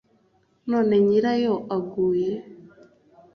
None nyirayo aguye